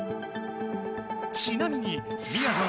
ちなみにみやぞん